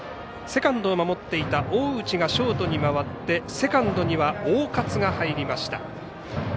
セカンドを守っていた大内がショートに回って、セカンドには大勝が入りました。